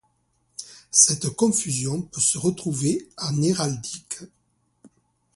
Cette confusion peut se retrouver en héraldique.